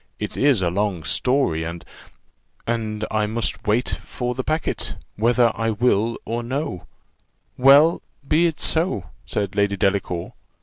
It is a long story, and " "And I must wait for the packet, whether I will or no well, be it so," said Lady Delacour.